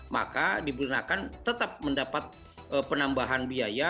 maka digunakan tetap mendapat penambahan biaya